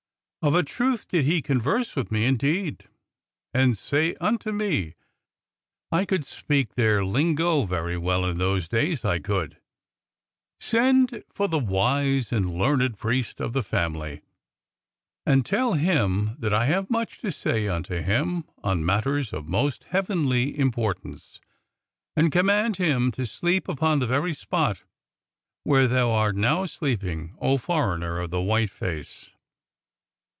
Of a truth did he converse with me, indeed, and say unto me' — I could speak their lingo very well in those days, I could —' "Send for the wise and learned priest of the family and tell him that I have much to say unto him on mat ters of most heavenly importance, and command him to sleep upon the very spot where thou art now sleep ing, O foreigner of the white face.